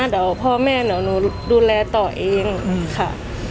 เดี๋ยวพ่อแม่เดี๋ยวหนูดูแลต่อเองค่ะ